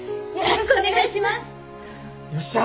よっしゃ！